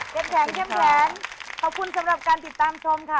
แข็งเข้มแข็งขอบคุณสำหรับการติดตามชมค่ะ